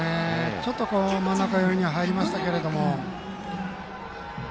ちょっと真ん中寄りには入りましたけど。